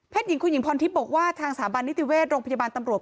หญิงคุณหญิงพรทิพย์บอกว่าทางสถาบันนิติเวชโรงพยาบาลตำรวจ